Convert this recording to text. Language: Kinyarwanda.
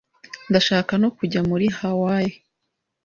Ndashaka no kujya muri Hawaii